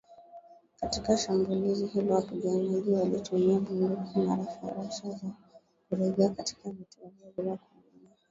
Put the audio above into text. Katika shambulizi hilo wapiganaji walitumia bunduki za rashasha na kurejea katika vituo vyao bila kuumia